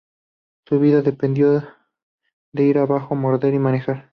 Su vida dependió de "ir abajo, morder y manejar".